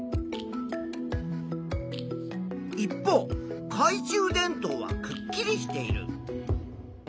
一方かい中電灯はくっきりしている。